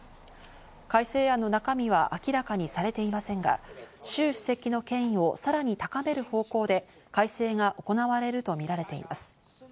改正案の中身は明らかにされていませんが、シュウ主席の権威をさらに高める方向で改正が行われるとみられています。